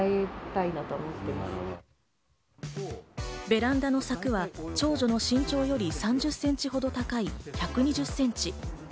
ベランダの柵は長女の身長より３０センチほど高い１２０センチ。